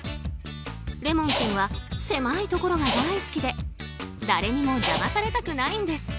レモン君は狭いところが大好きで誰にも邪魔されたくないんです。